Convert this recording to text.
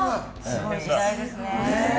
すごい時代ですね。